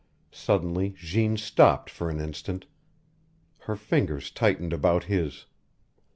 Suddenly Jeanne stopped for an instant. Her fingers tightened about his.